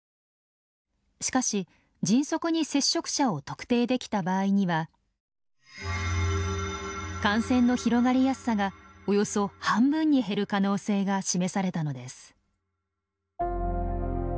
しかし迅速に接触者を特定できた場合には感染の広がりやすさがおよそ半分に減る可能性が示されたのです。